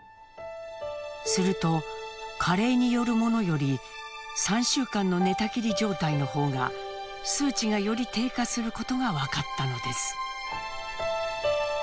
すると加齢によるものより３週間の寝たきり状態の方が数値がより低下することが分かったのです。